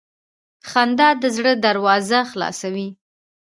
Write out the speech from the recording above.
• خندا د زړه دروازه خلاصوي.